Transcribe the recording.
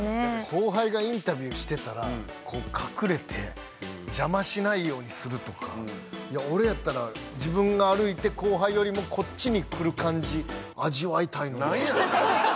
後輩がインタビューしてたらこう隠れて邪魔しないようにするとかいや俺やったら自分が歩いて後輩よりもこっちにくる感じ味わいたいのに何やねん！